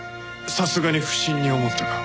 さすがに不審に思ったか。